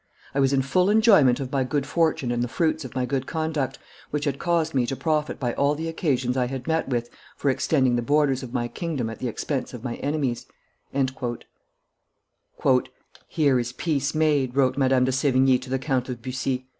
... I was in full enjoyment of my good fortune and the fruits of my good conduct, which had caused me to profit by all the occasions I had met with for extending the borders of my kingdom at the expense of my enemies." "Here is peace made," wrote Madame de Sevigne to the Count of Bussy.